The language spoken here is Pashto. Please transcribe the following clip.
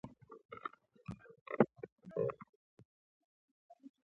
د اوږدو مقدمو د لیکلو صلاحیت نه لرم.